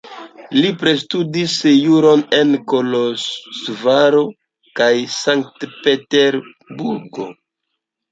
Li pristudis juron en Koloĵvaro kaj Sankt-Peterburgo.